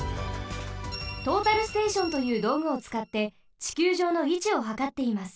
トータルステーションというどうぐをつかってちきゅうじょうのいちをはかっています。